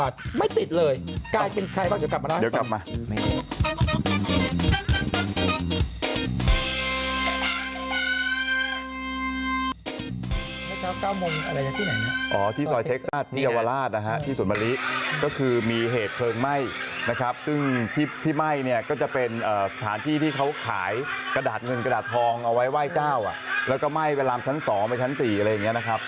ที่สอยเท็กซัสที่เยาวราชที่สวนบริก็คือมีเหตุเพลิงไหม้นะครับซึ่งที่ไหม้เนี่ยก็จะเป็นสถานที่ที่เขาขายกระดาษหนึ่งกระดาษทองเอาไว้ไหว้เจ้าอ่ะแล้วก็ไหม้ไปรามชั้นสองไปชั้นสี่อะไรอย่างเงี้ยนะครับ